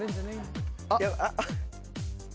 あっ。